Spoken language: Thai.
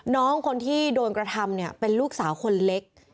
น้องคนที่โดนกระทำเนี่ยเป็นลูกสาวคนเล็ก